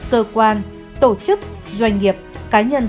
bốn cơ quan tổ chức doanh nghiệp cá nhân